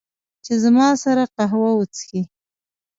چې، زما سره قهوه وچښي